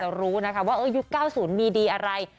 รู้นะคะว่ายุค๙๐มีดีอะไร